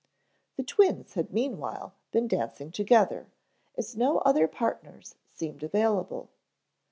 The twins had meanwhile been dancing together, as no other partners seemed available.